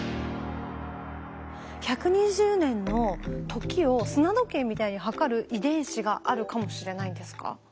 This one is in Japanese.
１２０年の時を砂時計みたいに計る遺伝子があるかもしれないんですか？